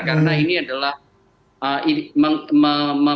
karena ini adalah memadukan antara nasionalis gitu